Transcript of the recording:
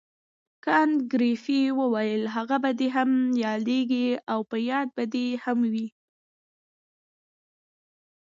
کانت ګریفي وویل هغه به دې هم یادیږي او په یاد به دې وي.